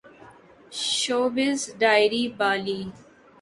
showbiz diary Bali